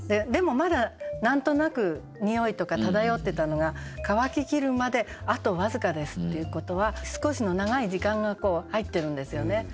でもまだ何となくにおいとか漂ってたのが「乾き切るまであとわずかです」っていうことは少しの長い時間がこう入ってるんですよね。